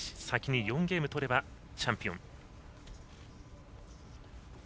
先に４ゲーム取ればチャンピオン。